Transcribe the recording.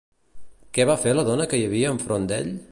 Què va fer la dona que hi havia enfront d'ell?